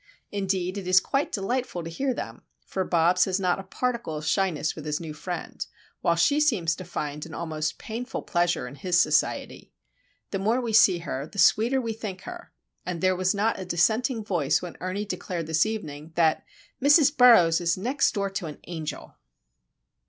Indeed, it is quite delightful to hear them; for Bobs has not a particle of shyness with his new friend, while she seems to find an almost painful pleasure in his society. The more we see her, the sweeter we think her; and there was not a dissenting voice when Ernie declared this evening that "Mrs. Burroughs is next door to an angel."